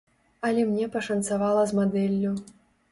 Але мне пашанцавала з мадэллю.